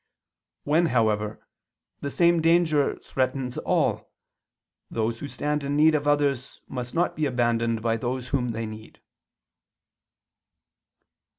When, however, the same danger threatens all, those who stand in need of others must not be abandoned by those whom they need."